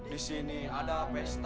disini ada pesta